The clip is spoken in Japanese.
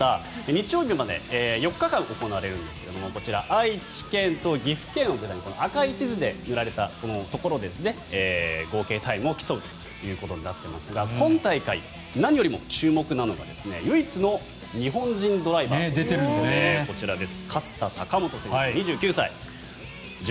日曜日まで４日間行われるんですがこちら、愛知県と岐阜県の赤く塗られたところで合計タイムを競うということになっていますが今大会、何よりも注目なのが唯一の日本人ドライバーということで。